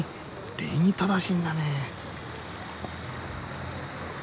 礼儀正しいんだね。